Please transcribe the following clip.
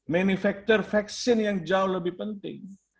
manufaktur vaksin yang jauh lebih penting